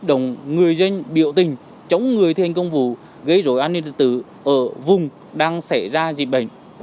động người dân biểu tình chống người thi hành công vụ gây rối an ninh tật tử ở vùng đang xảy ra dịch bệnh